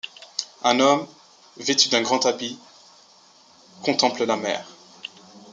Un homme, vêtu d'un grand habit, contemple la mer.